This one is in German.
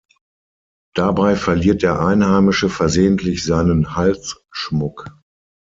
Dabei verliert der Einheimische versehentlich seinen Halsschmuck.